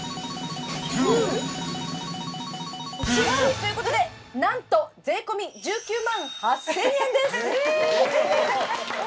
ということでなんと税込１９万８０００円です！え！